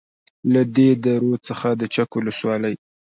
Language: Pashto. . له دې درو څخه د چک ولسوالۍ